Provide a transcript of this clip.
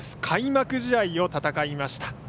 開幕試合を戦いました。